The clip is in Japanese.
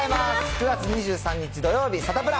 ９月２３日土曜日、サタプラ。